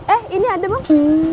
eh ini ada bang